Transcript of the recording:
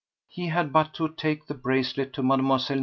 He had but to take the bracelet to Mlle.